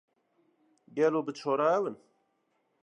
Gelo biçare ew in?